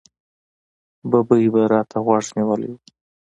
ببۍ به را ته غوږ نیولی و.